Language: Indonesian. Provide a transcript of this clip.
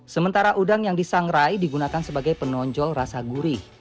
sementara udang yang disangrai digunakan sebagai penonjol rasa gurih